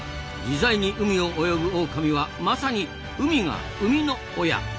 自在に海を泳ぐオオカミはまさに海が生みの親！